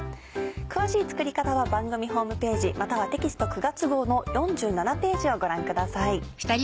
詳しい作り方は番組ホームページまたはテキスト９月号の４７ページをご覧ください。